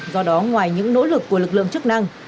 do đó ngoài những nỗ lực của lực lượng chức năng